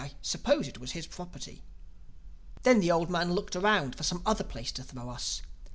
I suppose it was his property. "Then the old man looked around for some other place to throw us.